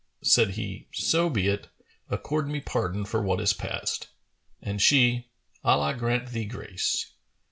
Said he, "So be it: accord me pardon for what is past." And she, "Allah grant thee grace!"